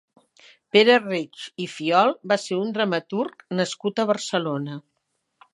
Pere Reig i Fiol va ser un dramaturg nascut a Barcelona.